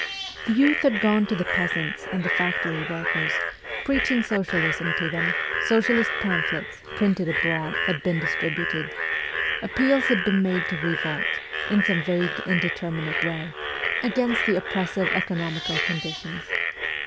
The youth had gone to the peasants and the factory workers, preaching socialism to them ; socialist pamphlets, printed abroad, had been distributed ; appeals had been made to revolt in some vague, indeterminate way against the oppres sive economical conditions.